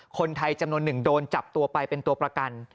คนไทยจำนวนหนึ่งโดนจับตัวไปเป็นตัวประกัน